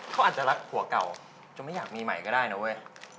เขาอาจจะรักผัวเก่าจนไม่อยากมีใหม่ก็ได้นะเว้ย